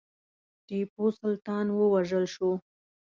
ټیپو سلطان ووژل شو.